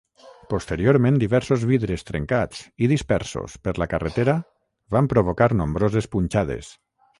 Posteriorment diversos vidres trencats i dispersos per la carretera van provocar nombroses punxades.